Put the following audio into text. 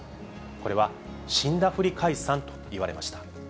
これは死んだふり解散と言われました。